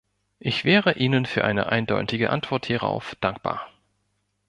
Ich wäre Ihnen für eine eindeutige Antwort hierauf dankbar.